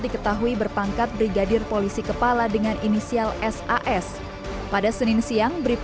diketahui berpangkat brigadir polisi kepala dengan inisial sas pada senin siang brib